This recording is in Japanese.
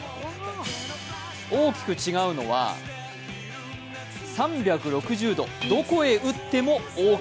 大きく違うのは３６０度どこへ打ってもＯＫ。